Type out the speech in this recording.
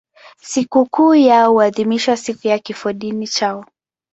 Sikukuu yao huadhimishwa siku ya kifodini chao.